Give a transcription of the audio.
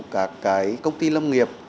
các công ty lâm nghiệp